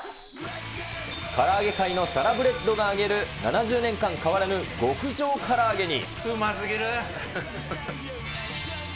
から揚げ界のサラブレッドが揚げる、７０年間変わらぬ極上から揚げに。